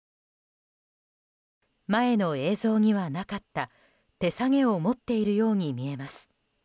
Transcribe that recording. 前の映像にはなかった手提げを持っているように見えます。